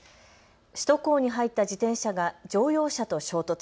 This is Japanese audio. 首都高に入った自転車が乗用車と衝突。